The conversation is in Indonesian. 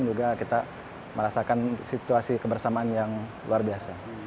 juga kita merasakan situasi kebersamaan yang luar biasa